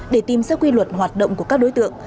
để tìm ra quy luật hoạt động của các đối tượng